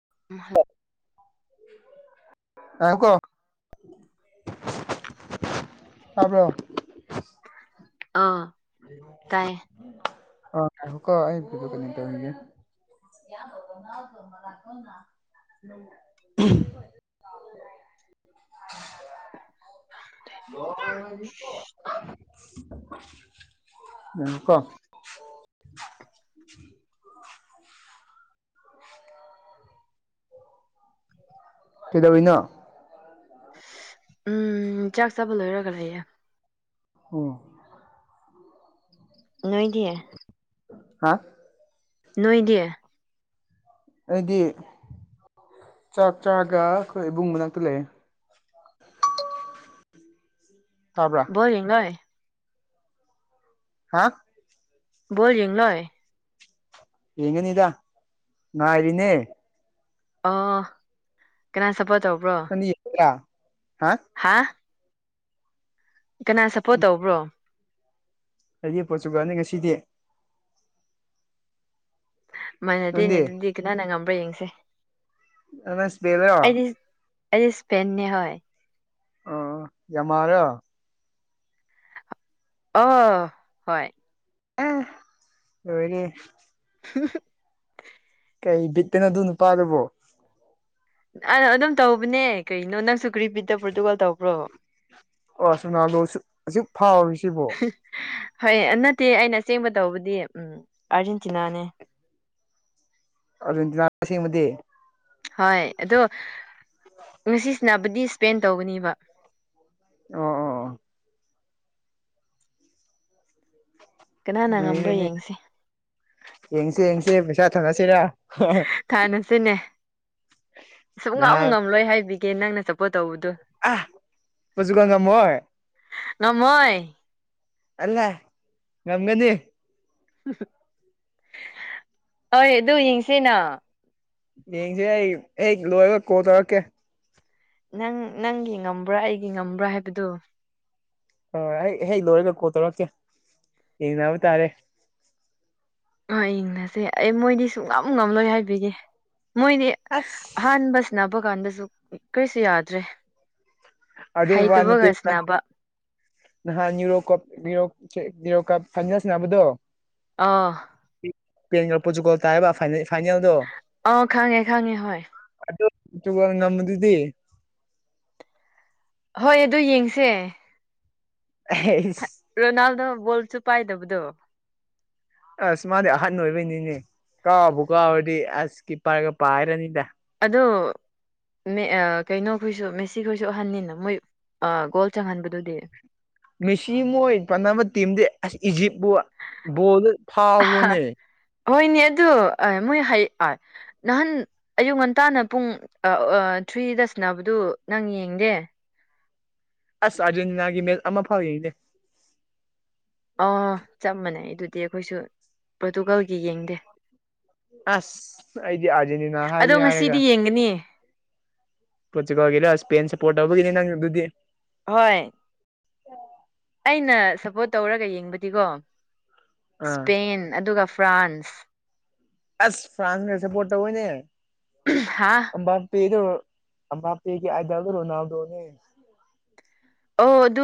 [unintelligible] [unintelligible] [unintelligible] ꯑꯥ ꯇꯥꯏꯌꯦ [unintelligible] ꯥ [unintelligible] [unintelligible] ꯀꯩꯗꯧꯔꯤꯅꯣ ꯎꯝ ꯆꯥꯛ ꯆꯥꯕ ꯂꯣꯏꯔꯒ ꯂꯩꯌꯦ ꯎꯝ ꯅꯣꯏꯗꯤ ꯍꯥ ꯅꯣꯏꯗꯤ ꯑꯩꯗꯤ ꯆꯥꯛ ꯆꯥꯔꯒ ꯑꯩꯈꯣꯏ ꯏꯕꯨꯡ ꯃꯅꯥꯛꯇ ꯂꯩ ꯇꯥꯕ꯭ꯔ [unintelligible] ꯍꯥ ꯕꯣꯜ ꯌꯦꯡꯂꯣꯏ ꯌꯦꯉꯒꯅꯤꯗ ꯉꯥꯏꯔꯤꯅꯦ ꯑ ꯀꯅꯥ ꯁꯄꯣꯔꯠ ꯇꯧꯕ꯭ꯔꯣ [unintelligible] ꯍꯥ ꯀꯅꯥ ꯁꯞꯄꯣꯔꯠ ꯇꯧꯕ꯭ꯔꯣ ꯑꯩꯗꯤ ꯄꯣꯔꯇꯨꯒꯜꯅꯤ ꯉꯁꯤꯗꯤ ꯃꯥꯟꯅꯗꯦꯅꯦ ꯅꯪꯗꯤ ꯑꯗꯨꯗꯤ ꯀꯅꯥꯅ ꯉꯝꯕ꯭ꯔꯥ ꯌꯦꯡꯁꯦ ꯅꯪ ꯁ꯭ꯄꯦꯟꯂꯣ ꯑꯩ ꯏꯁꯄꯦꯟꯅꯦ ꯍꯣꯢ ꯌꯥꯝꯃꯔꯣ ꯑ ꯍꯣꯏ ꯑ ꯑꯣꯏꯔꯤ ꯍ ꯀꯩ ꯕꯤꯠꯇꯅꯣ ꯑꯗꯨ ꯅꯨꯄꯥꯗꯨꯕꯣ ꯑ ꯑꯗꯨꯝ ꯇꯧꯕꯅꯦ ꯀꯩꯅꯣ ꯅꯪꯁꯨ ꯀꯔꯤ ꯕꯤꯠꯇ ꯄꯣꯔꯇꯨꯒꯜ ꯇꯧꯕ꯭ꯔꯣ ꯑꯣ ꯁꯣꯅꯥꯗꯣ ꯑꯖꯤꯛ ꯐꯥꯎꯔꯤꯁꯤꯕꯣ ꯍꯣꯏ ꯅꯠꯇꯦ ꯑꯩꯅ ꯑꯁꯦꯡꯕ ꯇꯧꯕꯗꯤ ꯎꯝ ꯑꯥꯔꯖꯦꯟꯇꯤꯅꯥꯅꯦ ꯑꯥꯔꯖꯦꯟꯇꯤꯅꯥ ꯑꯁꯦꯡꯕꯗꯤ ꯍꯣꯏ ꯑꯗꯣ ꯉꯁꯤ ꯁꯥꯅꯕꯗꯤ ꯁ꯭ꯄꯦꯟ ꯇꯧꯒꯅꯤꯕ ꯑꯣ ꯑꯣ [inaudible] ꯀꯅꯥꯅ ꯉꯝꯕ꯭ꯔꯥ ꯌꯦꯡꯁꯦ ꯌꯦꯡꯁꯦ ꯌꯦꯡꯁꯦ ꯄꯩꯁꯥ ꯊꯥꯅꯁꯤꯔ ꯊꯥꯟꯅꯁꯤꯅꯦ ꯁꯨꯛꯉꯝ ꯅꯍꯥꯟ ꯉꯝꯂꯣꯏ ꯍꯥꯏꯕꯤꯒꯦ ꯅꯪꯅ ꯁꯄꯣꯔꯠ ꯇꯧꯕꯗꯣ ꯑ ꯄꯣꯔꯇꯨꯒꯜ ꯉꯝꯃꯣꯏ ꯉꯝꯃꯣꯏ ꯉꯝꯒꯅꯤ ꯍꯣꯏ ꯑꯗꯨ ꯌꯦꯡꯁꯦꯅ ꯌꯦꯡꯁꯦ ꯑꯩ ꯑꯩ ꯂꯣꯏꯔꯒ ꯀꯣꯜ ꯇꯧꯔꯛꯀꯦ ꯅꯪ ꯅꯪꯒꯤ ꯉꯝꯕ꯭ꯔꯥ ꯑꯩꯒꯤ ꯉꯝꯕ꯭ꯔꯥ ꯍꯥꯏꯕꯗꯨꯣ ꯍꯣꯏ ꯑꯩ ꯍꯦꯛ ꯂꯣꯏꯔꯒ ꯀꯣꯜ ꯇꯧꯔꯛꯀꯦ ꯌꯦꯡꯅꯕ ꯇꯥꯔꯦ ꯑ ꯌꯦꯡꯅꯁꯦ ꯑꯦ ꯃꯣꯏꯗꯤ ꯁꯨꯡ ꯉꯝ ꯉꯝꯂꯣꯏ ꯍꯥꯏꯕꯤꯒꯦ ꯃꯣꯏꯗꯤ ꯑꯁ ꯑꯍꯥꯟꯕ ꯁꯤꯕ ꯀꯥꯟꯗꯁꯨ ꯀꯔꯤꯁꯨ ꯌꯥꯗ꯭ꯔꯦ ꯑꯗꯨ ꯋꯥꯅ ꯇ ꯍꯩꯇꯕꯒ ꯁꯅꯕ ꯅꯍꯥꯟ ꯅꯨꯔꯣ ꯀꯞ ꯅꯌꯨꯔꯣ ꯀꯞ ꯐꯥꯏꯅꯜꯁꯅꯦꯕꯗꯣ ꯑꯥ ꯄꯦꯟ ꯄꯨꯁꯨ ꯀꯣꯜ ꯇꯥꯏꯌꯦꯕ ꯐꯥꯏꯅꯦꯜꯗꯣ ꯑ ꯈꯪꯉꯦ ꯈꯪꯉꯦ ꯍꯣꯏ ꯑꯗ ꯆꯒ ꯉꯝꯗꯗꯗꯤ ꯍꯣꯏ ꯑꯗꯨ ꯌꯦꯡꯁꯦ ꯑꯦ ꯔꯣꯅꯥꯜꯗꯣ ꯣꯜꯁꯨ ꯄꯥꯏꯗꯕꯗꯣ ꯑꯁ ꯃꯥꯗꯤ ꯑꯍꯟ ꯑꯣꯏꯕꯩꯅꯤꯅꯦ ꯀꯥꯎꯕꯨ ꯀꯥꯎꯔꯗꯤ ꯑꯁ ꯀꯤ ꯄꯔꯒ ꯄꯥꯏꯔꯅꯤꯗ ꯑꯗꯣ ꯀꯩꯅꯣꯈꯣꯏꯁꯨ ꯃꯦꯁꯤ ꯈꯣꯏꯁꯨ ꯑꯍꯟꯅꯤꯅ ꯃꯣꯏ ꯒꯣꯜ ꯆꯪꯍꯟꯕꯗꯨꯗꯤ ꯃꯦꯁꯤ ꯃꯣꯏ ꯄꯥꯟꯅꯕ ꯇꯤꯝꯗꯤ ꯑꯁ ꯏꯖꯤꯞꯄꯨ ꯕꯣꯜꯗ ꯐꯥꯎꯔꯣꯅꯦ ꯍꯣꯏꯅꯦ ꯑꯗꯨ ꯃꯣꯏ ꯍꯥꯏ ꯑ ꯅꯍꯥꯟ ꯑꯌꯨꯛ ꯉꯟꯇꯥꯅ ꯄꯨꯡ ꯊ꯭ꯔꯤꯗ ꯁꯤꯕꯗꯨ ꯅꯪ ꯌꯦꯡꯗꯦ ꯑꯁ ꯑꯥꯖꯨꯟꯅꯥꯒꯤ ꯃꯦ ꯑꯃ ꯐꯥꯎ ꯌꯦꯡꯅꯦ ꯑꯥ ꯆꯞ ꯃꯥꯟꯅꯦꯩ ꯑꯗꯨꯗꯤ ꯑꯩꯈꯣꯏꯁꯨ ꯄꯣꯔꯇꯨꯒꯜꯒꯤ ꯌꯦꯡꯗꯦ ꯑꯁ ꯑꯩꯗꯤ ꯑꯥꯖꯅꯤꯅ ꯍꯥꯏꯦ ꯍꯥꯏꯔꯦꯒ ꯍꯤꯡꯒꯅꯤꯌꯦ ꯄꯣꯆꯨꯀꯒꯦ ꯁꯄꯦꯟ ꯁꯦꯄꯣꯔꯠ ꯍꯕꯨꯒ ꯅꯗꯤ ꯍꯣꯏ ꯑꯩꯅ ꯁꯞꯄꯣꯔꯠ ꯇꯧꯔꯒ ꯌꯦꯡꯕꯗꯤꯀꯣ ꯑꯥ ꯁꯄꯦꯟ ꯑꯗꯨꯒ ꯐ꯭ꯔꯥꯟꯁ ꯑꯁ ꯐ꯭ꯔꯥꯟꯁꯅꯦꯁꯄꯣꯠꯇꯧꯑꯣꯅꯦ ꯍꯥ ꯑꯝꯕꯄꯦꯗ ꯑꯄꯦꯒꯤ ꯑꯗꯎꯗꯔꯣ ꯔꯣꯅꯥꯜꯗꯣꯅꯦ ꯑꯣ ꯑꯗꯨ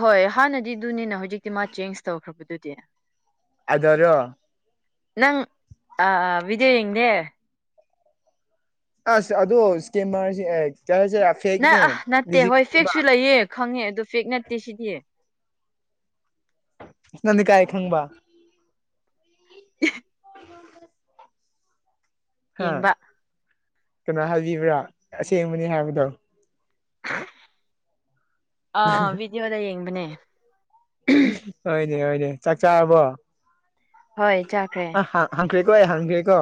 ꯍꯣꯏ ꯍꯥꯟꯅꯗꯤꯗꯨꯅꯤꯅ ꯍꯧꯖꯤꯛꯇꯤ ꯃꯥ ꯆꯦꯟꯖ ꯇꯧꯈ꯭ꯔꯕꯗꯨꯗꯤ ꯑꯗꯔꯣ ꯅꯪ ꯑ ꯕꯤꯗꯤꯌꯣꯌꯦꯡꯗꯦ ꯑ ꯑꯗꯨ [inaudible] ꯅ ꯑ ꯅꯠꯇꯦ ꯍꯣꯏ ꯐꯦꯛꯁꯨ ꯂꯩꯌꯦ ꯈꯪꯉꯦ ꯑꯗꯨꯣ ꯐꯦꯛ ꯅꯠꯇꯦ ꯁꯤꯗꯤꯌꯦ ꯅꯟ ꯀꯥꯏ ꯈꯪꯕꯥ [inaudible] ꯍꯥ ꯌꯦꯡꯕ ꯀꯅꯥ ꯍꯥꯏꯕꯤꯕ꯭ꯔꯥ ꯑꯁꯦꯡꯕꯅꯤ ꯍꯥꯏꯕꯗꯣ ꯑꯥ ꯕꯤꯗꯤꯑꯣꯗ ꯌꯦꯡꯕꯅꯦ ꯍꯣꯏꯅꯦ ꯍꯣꯏꯅꯦ ꯆꯥꯛ ꯆꯥꯔꯕꯣ ꯍꯣꯏ ꯆꯈ꯭ꯔꯦ ꯍꯣꯌ ꯍꯪꯈꯔ꯭ꯦ ꯀꯣ꫰ ꯍꯪꯈꯔ꯭ꯦꯀꯣ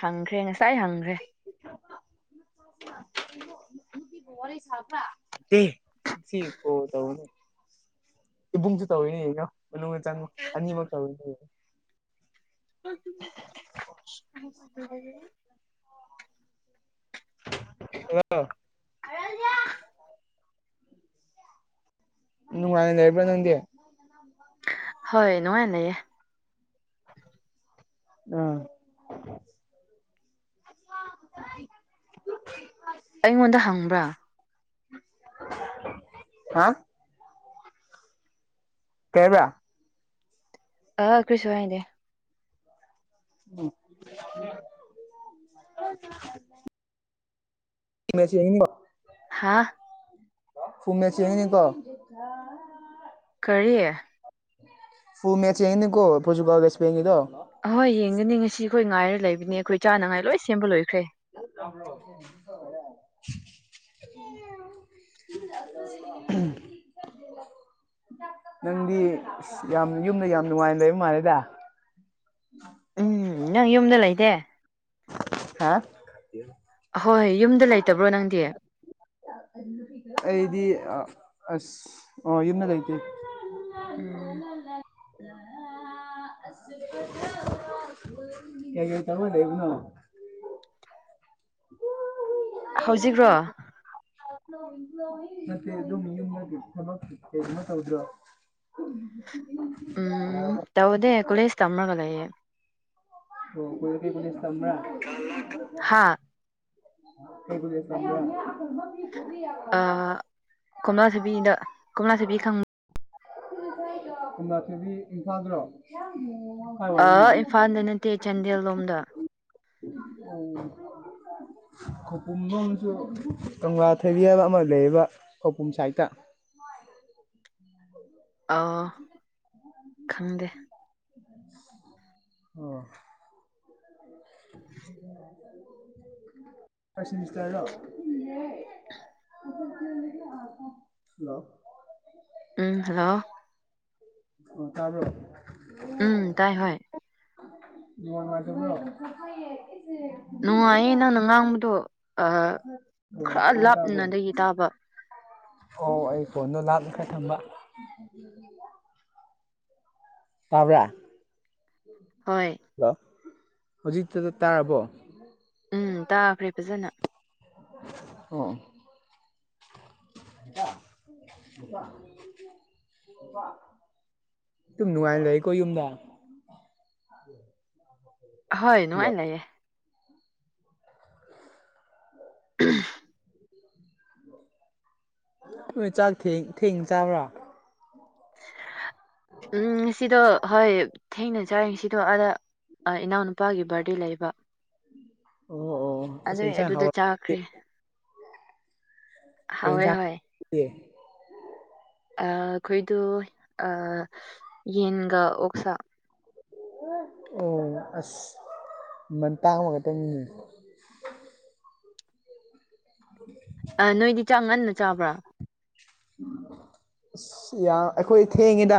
ꯍꯪꯈ꯭ꯔꯦ ꯉꯁꯥꯏ ꯍꯪꯈ꯭ꯔꯦ [unintelligible] ꯀꯜ ꯇꯧꯕꯅꯦ ꯏꯕꯨꯡꯁꯨ ꯇꯧꯋꯤꯅꯦ ꯍꯌꯦꯒꯨ ꯆꯪꯛ ꯑꯅꯤꯃꯛ ꯇꯧꯋꯤꯅꯦ [inaudible] ꯑ [inaudible] ꯀꯔꯌꯥ [unintelligible] ꯅꯅꯨꯡꯉꯥꯏꯅ ꯂꯩꯕꯔꯥꯅꯪꯗꯤ ꯍꯣꯏ ꯅꯨꯡꯉꯥꯏꯅ ꯂꯩꯌꯦ ꯑꯥ ꯑꯩꯉꯣꯟꯗ ꯍꯪꯕ꯭ꯔꯥ ꯍꯥ ꯀꯩꯕ ꯑ ꯀ꯭ꯔꯤꯁꯨ ꯍꯥꯏꯟꯗꯦ ꯎꯝ ꯃꯁꯤ ꯌꯦ [inaudible] ꯍꯥꯥ ꯐꯨꯝꯃꯦꯁꯤ ꯌꯦꯉꯅꯤ ꯀꯣ ꯀꯔꯤꯦ ꯐꯨꯜ ꯃꯦꯠꯁ ꯌꯦꯡꯏꯀꯣ ꯑꯍꯣꯏ ꯌꯦꯡꯒꯅꯤ ꯉꯁꯤ ꯑꯩꯈꯣꯏ ꯉꯥꯏꯔ ꯂꯩꯕꯅꯤ ꯑꯩꯈꯣꯏ ꯆꯥꯅꯉꯥꯏ ꯂꯣꯏ ꯁꯦꯝꯕ ꯂꯣꯏꯈ꯭ꯔꯦ [unintelligible] ꯎꯝ ꯅꯪꯗꯤ ꯑ ꯌꯥꯝ ꯌꯨꯝꯗ ꯌꯥꯝ ꯅꯨꯡꯉꯥꯏꯅ ꯂꯩꯕ ꯃꯥꯜꯂꯦꯗ [inaudible] ꯎꯝ ꯅꯪ ꯌꯨꯝꯗ ꯂꯩꯇꯦ ꯍꯥ ꯑꯍꯣꯏ ꯌꯨꯝꯗ ꯂꯩꯇꯕ꯭ꯔꯣ ꯅꯪꯗꯤ ꯑꯩꯗꯤ ꯑꯁ ꯑꯣꯏꯅ ꯂꯩꯇꯦ ꯎꯝ ꯀꯩ ꯇꯧꯕꯥ ꯂꯩꯕꯅꯣ ꯍꯧꯖꯤꯛꯔꯣ ꯎ ꯅꯠꯇꯦ ꯑꯗꯨꯝ ꯌꯨꯝꯒꯤ ꯊꯕꯛꯇ ꯀꯩꯃ ꯇꯧꯗ꯭ꯔꯣ ꯌꯔꯕꯣ ꯇꯎꯗꯦ ꯀꯂ ꯏꯁ ꯇꯝꯒ ꯂꯩꯦ ꯑꯣ ꯀꯔ ꯀ ꯄꯨꯅꯤꯁ ꯇ ꯍꯥ ꯍꯕꯨꯁ [unintelligible] ꯀꯣꯝꯂꯥ ꯁꯕꯤꯗ ꯀꯣꯝꯂꯥ ꯁꯕꯤ ꯈꯪꯕ [unintelligible] ꯑ ꯏꯝꯐꯥꯜꯗ ꯅꯠꯇꯦ ꯆꯥꯟꯗꯦꯜ ꯂꯣꯝꯗ ꯎꯝ ꯈꯄꯨꯝꯕ ꯑꯃꯁꯨ ꯇꯣꯉ ꯊꯩꯕꯤ ꯍꯥꯏꯕ ꯑꯃ ꯂꯩꯌꯦꯕ ꯄꯕꯨꯝ ꯁꯥꯏꯗ ꯑꯥ ꯈꯪꯗꯦ [inaudible] ꯐꯔꯁ ꯁꯦꯃꯤꯁꯇꯔꯔꯣ ꯍꯜꯂꯣ ꯎꯝ ꯍꯜꯂꯣ ꯎꯇꯥꯔꯣ ꯎꯝ ꯇꯥꯏ ꯍ [unintelligible] ꯅꯨꯡꯉꯥꯏꯌꯦ ꯅꯪꯅ ꯉꯥꯡꯕꯗꯣ ꯈꯔ ꯐꯖꯅ ꯇꯥꯕ꯭ꯔꯣ ꯂꯥꯞꯅꯗꯒꯤ ꯇꯥꯕ ꯑꯣ ꯑꯩ ꯐꯣꯟꯗꯣ ꯂꯥꯞꯂꯤ ꯈꯔ ꯊꯝꯕ ꯎ ꯎꯝ ꯃꯕ꯭ꯔ ꯍꯣꯏ ꯍꯜꯂꯣ ꯍꯧꯖꯤꯛꯇ ꯇꯥꯔꯕꯣ ꯎꯝ ꯇꯥꯈ꯭ꯔꯦ ꯐꯖꯅ ꯑ ꯍꯀ ꯍꯀ ꯁꯨꯝ ꯅꯨꯡꯉꯥꯏꯅ ꯂꯩꯀꯣ ꯌꯨꯝꯗ ꯍꯣꯏ ꯅꯨꯡꯉꯥꯏ ꯍꯜꯂꯣ ꯂꯩꯌꯦ ꯎꯝ ꯍꯣꯏ ꯆꯥꯛ ꯊꯦꯡ ꯊꯦꯡ ꯆꯥꯕ꯭ꯔꯥ ꯎꯝ ꯉꯁꯤꯗꫭ ꯍꯣꯏ ꯊꯦꯡꯅ ꯆꯥꯡꯁꯤꯗꯣ ꯑꯥꯗ ꯏꯅꯥꯎꯅꯨꯄꯥꯒꯤ ꯕꯥꯔꯗꯦ ꯂꯩꯕ ꯑꯣ ꯑꯣ ꯑꯁ ꯑꯗꯨꯏ ꯏꯟꯁꯥꯡ ꯑꯗꯨꯗ ꯍꯥꯎꯔ ꯆꯥꯈ꯭ꯔꯦ ꯍꯥꯎꯋꯦ ꯀꯩꯅ ꯍꯣꯏ [unintelligible] ꯑꯩꯈꯣꯏꯗꯣ ꯌꯦꯟꯒ ꯑꯣꯛꯁꯥ ꯑꯣ ꯑꯁ ꯃ ꯇꯥꯡꯃꯒꯛꯇꯪꯃꯤꯟꯅ [inaudible] ꯑ ꯅꯣꯏꯗꯤ ꯆꯥꯡ ꯉꯟꯅ ꯆꯥꯕ꯭ꯔꯥ ꯑꯁ ꯌꯥꯝ ꯑꯩꯈꯣꯏ ꯊꯦꯡꯉꯤꯗ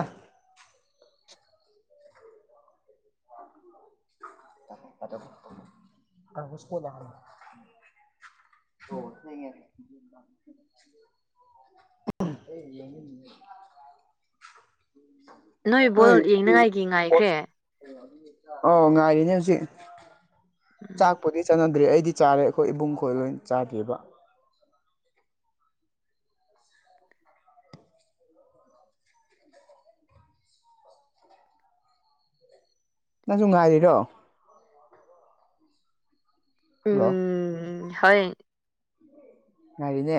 [unintelligible] [unintelligible] [unintelligible] ꯅꯣꯏ ꯕꯣꯜ ꯌꯦꯡꯅꯉꯥꯏꯒꯤ ꯉꯥꯏꯈ꯭ꯔꯦ ꯑꯣ ꯉꯥꯏꯔꯤꯅꯦ ꯍꯧꯖꯤꯛ ꯎꯝ ꯆꯥꯛꯄꯨꯗꯤ ꯆꯠꯅ ꯑꯩꯗꯤ ꯆꯥꯔꯦ ꯑꯩꯈꯣꯏ ꯏꯕꯨꯡꯈꯣꯏ ꯂꯣꯏ ꯆꯥꯗꯦꯕ ꯅꯪꯁꯨ ꯉꯥꯏꯔꯤꯔꯣ ꯍꯜꯂꯣ ꯎꯝ ꯍꫭꯏ ꯉꯥꯏꯔꯤꯅꯦ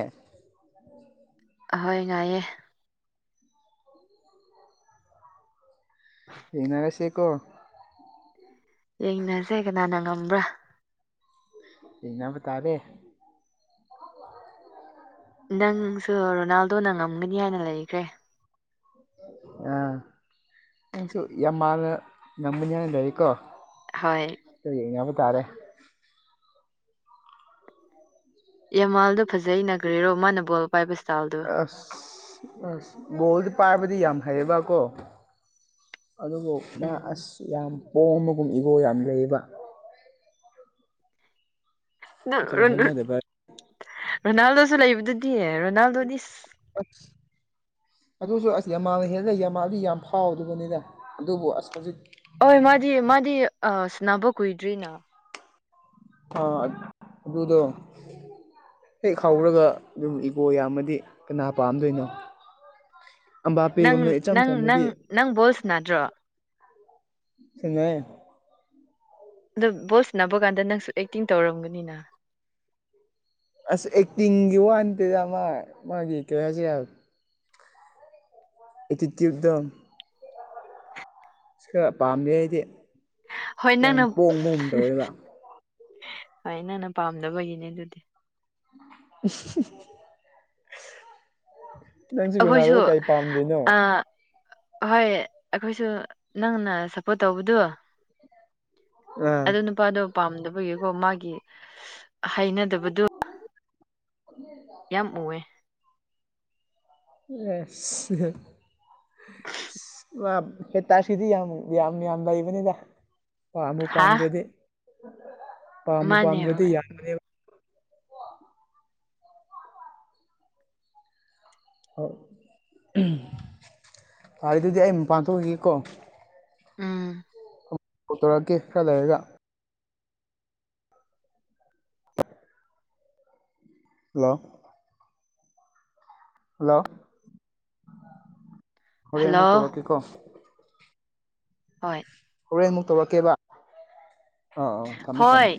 ꯑꯍꯣꯏ ꯉꯥꯏꯌꯦ ꯌꯦ ꯅꯔ ꯁꯤꯀꯣ ꯌꯦꯡꯅꯁꯦ ꯀꯅꯥꯅ ꯉꯝꯕ꯭ꯔꯥ ꯏꯩꯅꯕꯨ ꯇꯥꯔꯦ ꯅꯪꯁꯨ ꯔꯣꯅꯥꯜꯗꯣꯅ ꯉꯝꯒꯅꯤ ꯍꯥꯏꯅ ꯂꯩꯈ꯭ꯔꯦ ꯑ ꯅꯪꯁꯨ ꯌꯥꯝ ꯃꯥꯅ ꯉꯝꯕꯅꯤꯅ ꯂꯩꯔꯤꯀꯣ ꯍꯣꯏ ꯀꯔꯤ ꯍꯥꯏꯅꯕ ꯇꯥꯔꯦ ꯌꯥꯃꯥꯜꯗꯣ ꯐꯖꯩꯩꯅꯈ꯭ꯔꯦꯔꯣ ꯃꯥꯅ ꯕꯣꯜ ꯄꯥꯏꯕꯁꯇꯥꯥꯎ ꯑꯁ ꯑꯁ ꯒꯣꯜꯗꯤ ꯄꯥꯏꯕꯗꯤ ꯌꯥꯝ ꯍꯩꯌꯦꯕꯀꯣ ꯑꯗꯨꯕꯨ ꯃꯥ ꯎꯝ ꯑꯁ ꯌꯥꯝ ꯄꯣꯝꯝꯕꯒꯨꯝ ꯏꯕꯣ ꯌꯥꯝ ꯂꯩꯕ ꯈꯔ ꯍꯩꯅꯗꯕ ꯔꯣꯅꯥꯜꯗꯣꯁꯨ ꯂꯩꯕꯗꯨꯗꯤ ꯔꯣꯅꯥꯜꯗꯣꯗꯤ ꯑꯁ ꯑꯗꯨꯁꯨ ꯑꯁ ꯌꯥꯝꯃꯥꯅ ꯍꯦ ꯂꯩ ꯌꯥꯝꯃꯥꯗꯤ ꯌꯥꯝ ꯐꯥꯎꯗꯕꯅꯤꯅ ꯑꯗꯨꯕꯨ ꯑꯁ ꯍꯧꯖꯤꯛ ꯍꯣꯏ ꯃꯥꯗꯤ ꯃꯥꯗꯤ ꯑ ꯁꯨꯕꯨ ꯀꯨꯏꯗ꯭ꯔꯤꯅ ꯑ ꯑꯗꯨꯗꯣ ꯍꯦꯛ ꯈꯥꯎꯔꯒ ꯑꯗꯨꯝ ꯏꯒꯣ ꯌꯥꯝꯃꯗꯤ ꯀꯅꯥ ꯄꯥꯝꯗꯣꯏꯅꯣ ꯅꯪ ꯑꯝꯕꯥꯄꯦꯒꯨꯝꯗ ꯏꯆꯝ ꯅꯪ ꯅꯪ ꯆꯝꯕꯨꯗꯤ ꯅꯪ ꯕꯣꯜꯁ ꯅꯗ꯭ꯔꯣ ꯁꯥꯅꯩ ꯑꯗꯣ ꯕꯣꯁꯅꯕ ꯀꯥꯟꯗ ꯅꯪꯁꯨ ꯑꯦꯛꯇꯤꯡ ꯇꯧꯔꯝꯒꯅꯤꯅ ꯑꯁ ꯑꯦꯛꯇꯤꯡ ꯑꯅꯤꯖꯃ ꯃꯥꯒꯤ ꯀꯁ ꯌꯥ ꯏꯇꯤꯆꯨꯛꯇꫭ ꯑꯁ ꯈꯔ ꯄꯥꯝꯖ ꯍꯥꯏꯗꯤ ꯍꯣꯏ ꯅꯪꯅ ꯇꯧꯋꯦꯕ ꯍꯣꯏ ꯅꯪꯅ ꯄꯥꯝꯗꯕꯒꯤꯅꯦ ꯑꯗꯨꯗꯤ [unintelligible] ꯅꯪꯁꯤ ꯔꯣꯅꯥꯜꯗꯣ ꯑꯩꯈꯣꯏꯁꯨ ꯀꯩ ꯄꯥꯝꯗ꯭ꯔꯤꯅꯣ ꯑ ꯍꯣꯏ ꯑꯩꯈꯣꯏꯁꯨ ꯅꯪꯅ ꯁꯞꯄꯣꯔꯠ ꯇꯧꯕꯗꯨ ꯑꯥ ꯑꯗꯨ ꯅꯨꯄꯥꯗꯨ ꯄꯥꯝꯗꯕꯒꯤꯀꯣ ꯃꯥꯒꯤ ꯍꯩꯅꯗꯕꯗꯨ ꯌꯥꯝ ꯑꯣꯏ [unintelligible] ꯍꯦꯟꯇꯥꯛꯁꯤꯗꯤ ꯌꯥꯝ ꯌꯥꯝ ꯌꯥꯝ ꯂꯩꯕꯅꯤꯗ ꯄꯥꯝꯃꯨ ꯍꯥ ꯄꯥꯝꯗ꯭ꯔꯗꯤ ꯄꯥꯝꯕꯨ ꯃꯥꯅꯦ ꯄꯥꯝꯗ꯭ꯔꯗꯤ ꯍꯣꯏ ꯌꯥꯟꯕꯅꯤꯕ [unintelligible] ꯑꯗꯨꯗꯤ ꯑꯩ ꯃꯄꯥꯟ ꯊꯣꯛꯈꯤꯒꯦꯀꯣ ꯎꯝ ꯄꯨꯊꯣꯔꯛꯀꯦ ꯈꯔ ꯂꯩꯔꯒ ꯍꯜꯂꯣ ꯍꯜꯂꯣ ꯍꯣꯔꯦꯟ ꯍꯜꯂꯣ ꯑꯃꯨꯛ ꯇꯧꯔꯛꯀꯦꯀꯣ ꯍꯣꯏ ꯍꯣꯔꯦꯟ ꯑꯃꯨꯛ ꯇꯧꯔꯛꯀꯦꯕ ꯑ ꯑ ꯊꯝꯃꯦ ꯊꯝꯃꯦ ꯍꯣꯏ